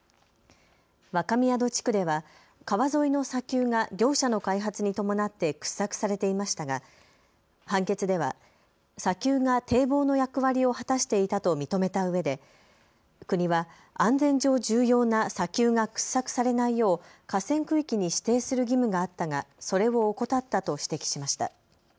若宮戸地区では川沿いの砂丘が業者の開発に伴って掘削されていましたが判決では砂丘が堤防の役割を果たしていたと認めたうえで国は安全上、重要な砂丘が掘削されないよう河川区域に指定する義務があったがそれを怠ったと指摘しました。